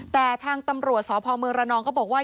แต่ทางตำรวจสพเมืองระนองก็บอกว่า